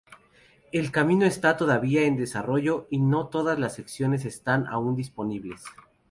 El camino está todavía en desarrollo, y no todas las secciones están aun disponibles.